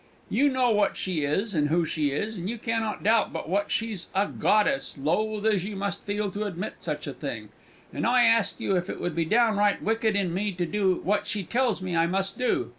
"You know what she is and who she is, and you cannot doubt but what she's a goddess loath as you must feel to admit such a thing, and I ask you if it would be downright wicked in me to do what she tells me I must do.